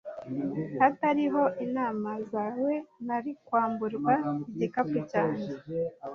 Hatariho inama zawe, nari kwamburwa igikapu cyanjye.